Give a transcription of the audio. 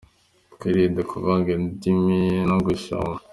Twirinde kuvanga indimi no gushyoma.